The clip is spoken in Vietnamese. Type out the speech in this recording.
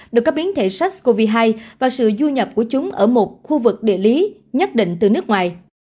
được các biến thể sars cov hai và sự du nhập của chúng ở một khu vực địa lý nhất định từ nước ngoài